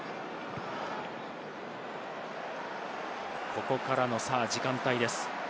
ここからの時間帯です。